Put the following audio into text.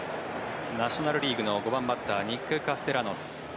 ナショナル・リーグの５番バッターにニック・カステラノス。